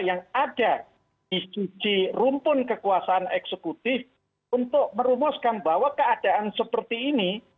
yang ada di rumpun kekuasaan eksekutif untuk merumuskan bahwa keadaan seperti ini